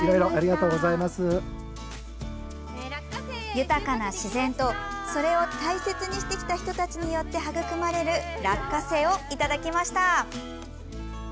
豊かな自然とそれを大切にしてきた人たちによって育まれる落花生をいただきました。